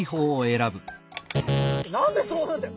「なんでそうなんだよ。